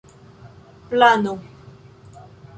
plano